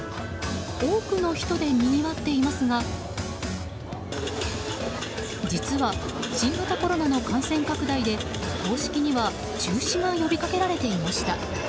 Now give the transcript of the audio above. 多くの人でにぎわっていますが実は新型コロナの感染拡大で公式には中止が呼びかけられていました。